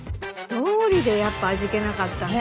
どうりでやっぱ味気なかったんだ。